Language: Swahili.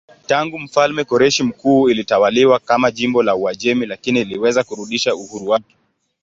Tangu mfalme Koreshi Mkuu ilitawaliwa kama jimbo la Uajemi lakini iliweza kurudisha uhuru wake.